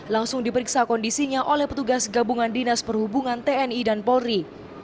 langsung diperiksa kondisinya oleh petugas gabungan dinas perhubungan tni dan polri